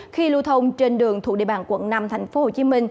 khi lưu thông trên đường thuộc địa bàn quận năm tp hcm